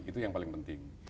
itu yang paling penting